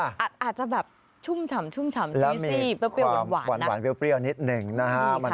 อาจจะแบบชุ่มฉ่ำชุ่มฉ่ำนิสิเปรี้ยวหวานนิดนึงนะครับ